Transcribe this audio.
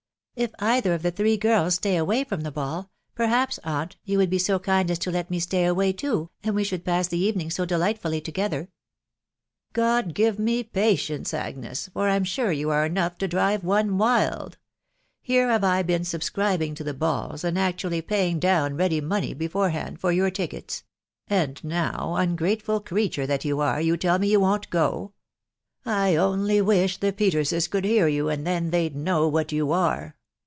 " If either ef the three girls stay away from the ball, per haps, aunt, 'you would be so kind as^te let me staymway too, and we should pass the evening so delightfuHy together: M " God give me patience, Agnes, for I'm sure ytuareenough to drive one wild, fiere have I been subscribing <to the balls,, and actually paying down ready money beforehand for your tickets ; and now, ungrateful creature that you are, you tell me you woVt go !.... I only wish the 'Peterses could hear you, and then they'd know what you are."